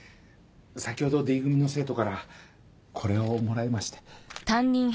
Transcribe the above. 先ほどＤ組の生徒からこれをもらいまして。